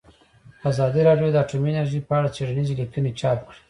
ازادي راډیو د اټومي انرژي په اړه څېړنیزې لیکنې چاپ کړي.